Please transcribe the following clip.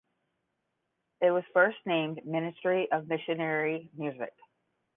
It was first named "Ministry of Missionary Music".